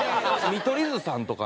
見取り図さんとかね